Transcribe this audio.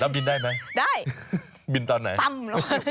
พิมพ์บินได้ไหมตำ